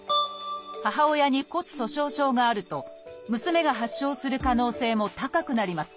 母親に骨粗しょう症があると娘が発症する可能性も高くなります。